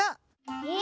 え？